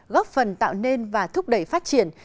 góp phần tạo nên và thúc đẩy phát triển